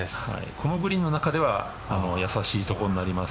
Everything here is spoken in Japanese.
このグリーンの中では易しい所になります。